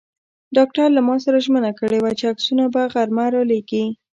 ډاکټر له ما سره ژمنه کړې وه چې عکسونه به غرمه را لېږي.